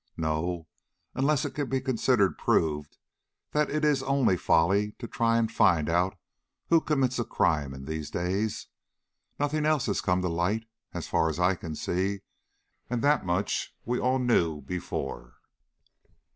"No, unless it can be considered proved that it is only folly to try and find out who commits a crime in these days. Nothing else has come to light, as far as I can see, and that much we all knew before."